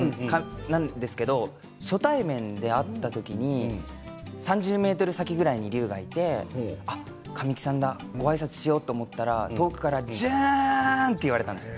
なんですけど初対面で会った時に３０ｍ先ぐらいに隆がいて「あっ神木さんだご挨拶しよう」と思ったら遠くから「淳！」って言われたんです。